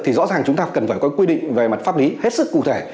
thì rõ ràng chúng ta cần phải có quy định về mặt pháp lý hết sức cụ thể